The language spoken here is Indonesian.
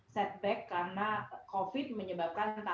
setback karena covid menyebabkan